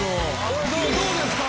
これどうですか？